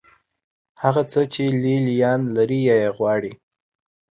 هغه څه چې لې لیان لري یا یې غواړي.